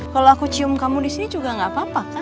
kalau aku cium kamu di sini juga gak apa apa kan